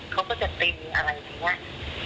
เขาก็จะตีอะไรอย่างนี้